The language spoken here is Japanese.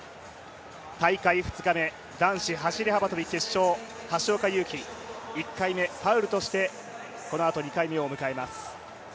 大会２日目、男子走幅跳決勝、橋岡優輝１回目ファウルとして、このあと２回目を迎えます。